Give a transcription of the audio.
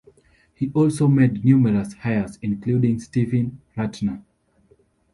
He also made numerous hires, including Steven Rattner.